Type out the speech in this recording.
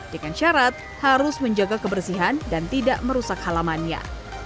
dengan syarat harus menjaga kebersihan dan tidak merusak halamannya